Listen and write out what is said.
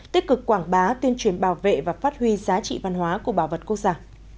tích cực quảng bá tuyên truyền bảo vệ và phát huy giá trị văn hóa của bảo vật quốc gia